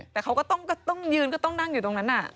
แต่เขาก็ต้องยืนก็ต้องนั่งอยู่ตรงนั้น